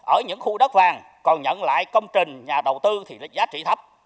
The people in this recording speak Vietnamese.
ở những khu đất vàng còn nhận lại công trình nhà đầu tư thì giá trị thấp